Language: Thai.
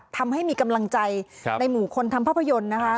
ทำให้มีกำลังใจในหมู่คนทำภาพยนตร์นะคะ